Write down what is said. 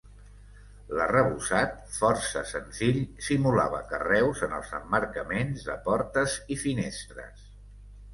L'arrebossat, força senzill, simulava carreus en els emmarcaments de portes i finestres.